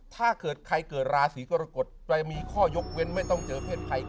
ถ้าเกิดใครเกิดราศีกรกฎจะมีข้อยกเว้นไม่ต้องเจอเพศภัย